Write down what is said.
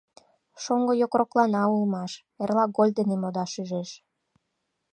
Шоҥго йокроклана улмаш, эрла гольф дене модаш ӱжеш.